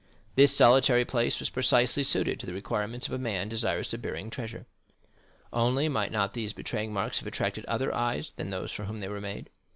This solitary place was precisely suited to the requirements of a man desirous of burying treasure. Only, might not these betraying marks have attracted other eyes than those for whom they were made?